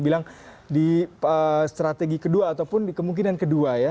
bilang di strategi kedua ataupun di kemungkinan kedua ya